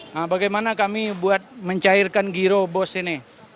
nah bagaimana kami buat mencairkan giro bos ini